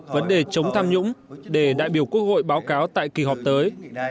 vấn đề chống tham nhũng để đại biểu quốc hội báo cáo tại kỳ họp tới